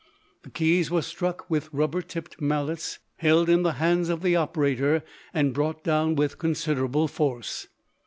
The keys were struck with rubber tipped mallets held in the hands of the operator and brought down with considerable force.